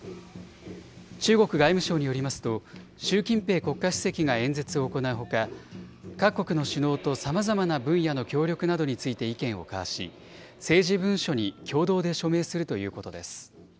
中国外務省によりますと、習近平国家主席が演説を行うほか、各国の首脳とさまざまな分野の協力などについて意見を交わし、政治文書に共同で署名するということです。